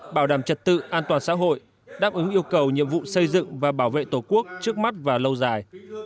bảo đảm trật tự an toàn xã hội đáp ứng yêu cầu nhiệm vụ xây dựng và bảo vệ tổ quốc trước mắt và lâu dài